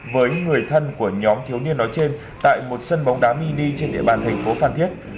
với người thân của nhóm thiếu niên nói trên tại một sân bóng đá mini trên địa bàn thành phố phan thiết